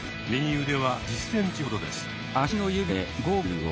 右腕は１０ｃｍほどです。